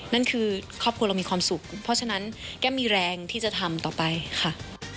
นั่นคือครอบครัวเรามีความสุขเพราะฉะนั้นแก้มมีแรงที่จะทำต่อไปค่ะ